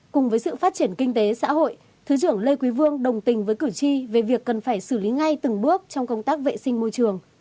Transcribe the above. cùng với sự phát triển kinh tế xã hội thứ trưởng lê quý vương đồng tình với cử tri về việc cần phải xử lý ngay từng bước trong công tác vệ sinh môi trường